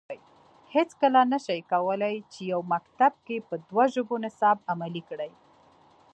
هیڅکله نه شي کولای چې یو مکتب کې په دوه ژبو نصاب عملي کړي